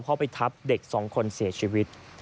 เข้าไปทับเด็กสองคนเสียชีวิต